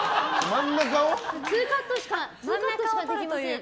２カットしかできません。